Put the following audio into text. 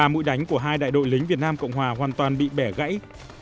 ba mũi đánh của hai đại đội lính việt nam cộng hòa hoàn toàn bị bẻ gãy